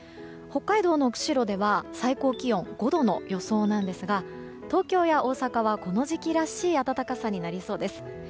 北海道の釧路では最高気温５度の予想なんですが東京や大阪は、この時期らしい暖かさになりそうです。